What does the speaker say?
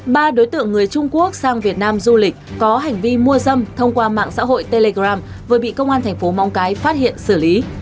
ba đối tượng người trung quốc sang việt nam du lịch có hành vi mua dâm thông qua mạng xã hội telegram vừa bị công an thành phố mong cái phát hiện xử lý